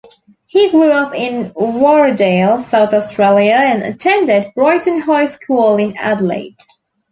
He grew up in Warradale, South Australia, and attended Brighton High School in Adelaide.